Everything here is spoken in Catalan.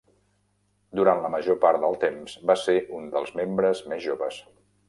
Durant la major part del temps, va ser un dels membres més joves.